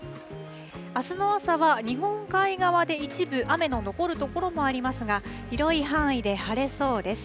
あすの朝は日本海側で一部、雨の残る所もありますが、広い範囲で晴れそうです。